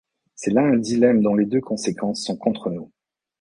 C’est là un dilemme dont les deux conséquences sont contre nous!